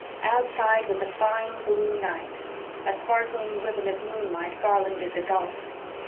Outside was a fine blue night. A sparkling ribbon of moonlight garlanded the gulf.